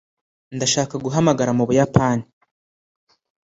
Ndashaka guhamagara mu Buyapani.